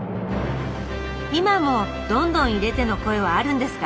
今も「どんどん入れて」の声はあるんですか？